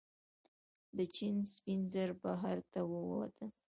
د چین سپین زر بهر ته ووتل.